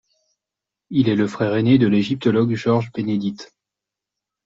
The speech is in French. Il est le frère aîné de l'égyptologue Georges Bénédite.